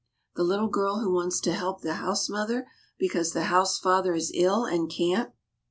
the little girl who wants to help the house mother because the house father is ill and can't?"